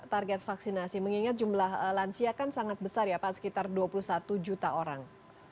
target vaksinasi mengingat jumlah lansia kan sangat besar ya pak sekitar dua puluh satu juta orang